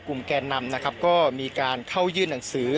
กลุ่มแก่นำก็มีการเข้ายื่นหนังสือ